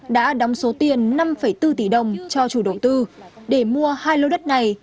đã đóng số tiền năm bốn tỷ đồng cho chủ đầu tư để mua hai lô đất này